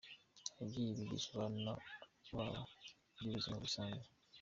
Ababyeyi bigisha abana babo iby’ubuzima busanzwe.